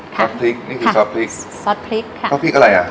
ซอสพริกนี่คือซอสพริกซอสพริกค่ะซอสพริกอะไรอ่ะ